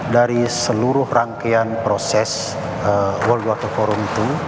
dari seluruh rangkaian proses world water forum dua